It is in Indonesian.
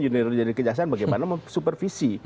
junior dari kejaksaan bagaimana supervisi